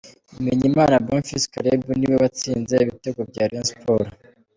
Bimenyimana Bonfils Caleb ni we watsinze ibitego bya Rayon Sports .